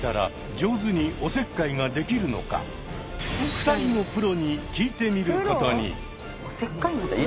２人のプロに聞いてみることに。